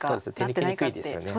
手抜きにくいですよね。